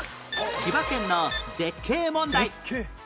千葉県の絶景問題